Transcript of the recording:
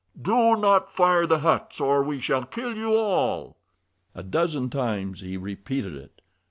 Do not fire the huts, or we shall kill you all!" A dozen times he repeated it.